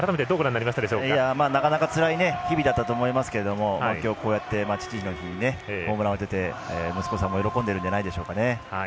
なかなかつらい日々だったと思いますけど父の日にホームランを打てて息子さんも喜んでるんじゃないでしょうかね。